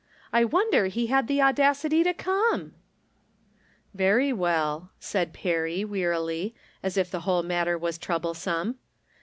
I wonder he had the audacity to come !" "Very well," said Perry, wearily, as if the whole matter was troublesome.